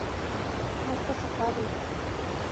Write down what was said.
allpa soqariy